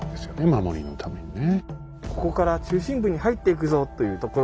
守りのためにね。